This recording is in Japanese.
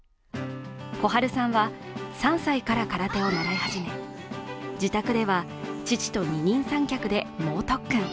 心陽さんは３歳から空手を習い始め、自宅では父と二人三脚で猛特訓